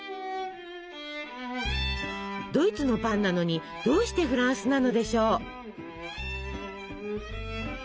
ドイツのパンなのにどうしてフランスなのでしょう？